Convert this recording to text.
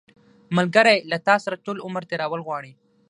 ملګری له تا سره ټول عمر تېرول غواړي